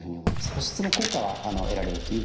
保湿の効果は得られるというふうに思います。